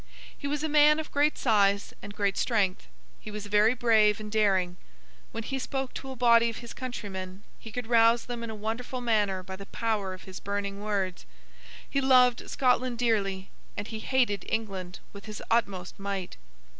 He was a man of great size and great strength; he was very brave and daring; when he spoke to a body of his countrymen, he could rouse them in a wonderful manner by the power of his burning words; he loved Scotland dearly, and he hated England with his utmost might.